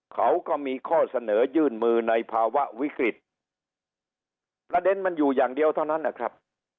เขาก็มีข้อเสนอยื่นมือในภาวะวิกฤตประเด็นมันอยู่อย่างเดียวเท่านั้นนะครับ